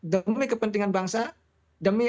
demi kepentingan bangsa demi